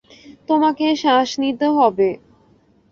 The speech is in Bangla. তোমাকে শ্বাস নিতে হবে।